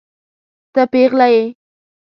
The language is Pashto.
ته پيغله يې.